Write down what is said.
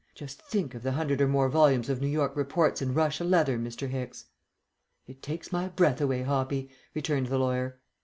Just think of the hundred or more volumes of New York reports in Russia leather, Mr. Hicks!" "It takes my breath away, Hoppy," returned the lawyer.